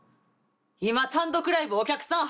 今単独ライブお客さん